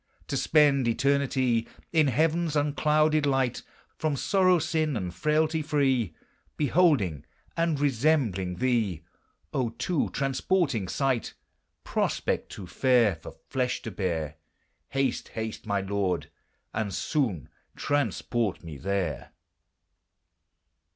To spend eternity In heaven's unclouded light! From sorrow, sin, and frailty free, Beholding and resembling thee, O too transporting sight! Prospect too fair For flesh to bear! Haste! haste! my Lord, and soon transport me there!